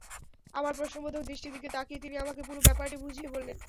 আমার প্রশ্নবোধক দৃষ্টির দিকে তাকিয়ে তিনি আমাকে পুরো ব্যাপারটি বুঝিয়ে বললেন।